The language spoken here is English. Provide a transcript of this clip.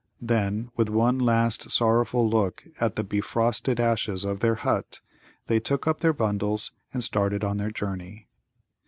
Then, with one last sorrowful look at the befrosted ashes of their hut, they took up their bundles and started on their journey.